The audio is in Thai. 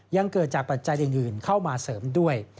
ยังเกิดจากปัจจัยอื่นเข้ามาเสริมด้วย